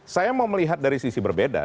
saya mau melihat dari sisi berbeda